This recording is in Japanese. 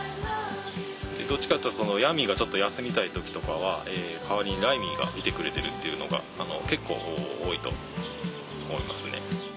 どっちかっていうとヤミーがちょっと休みたい時とかは代わりにライミーが見てくれてるっていうのが結構多いと思いますね。